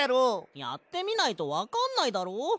やってみないとわかんないだろ。